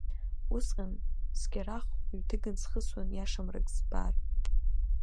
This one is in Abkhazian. Усҟан, скьарахә ҩҭыган схысуан, иашамрак збар.